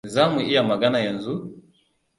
Za mu iya magana yanzu?